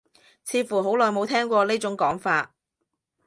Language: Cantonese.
似乎好耐冇聽過呢種講法